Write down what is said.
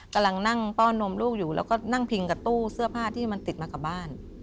กำลังนั่งต้อนนมลูกอยู่แล้วก็นั่งพิงกับตู้เสื้อผ้าที่มันติดมากับบ้าน